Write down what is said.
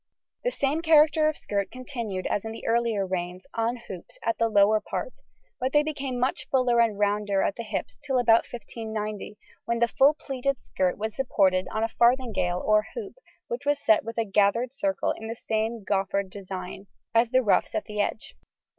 ] The same character of skirt continued as in the earlier reigns on hoops at the lower part, but they became much fuller and rounder at the hips till about 1590, when the full pleated skirt was supported on a farthingale or hoop which was set with a gathered circle in the same goffered design as the ruffs at the edge.